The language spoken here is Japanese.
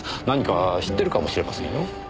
何か知ってるかもしれませんよ。